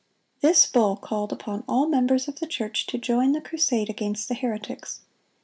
(109) This bull called upon all members of the church to join the crusade against the heretics.